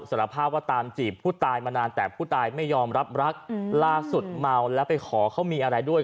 สารภาพว่าตามจีบผู้ตายมานานแต่ผู้ตายไม่ยอมรับรักล่าสุดเมาแล้วไปขอเขามีอะไรด้วย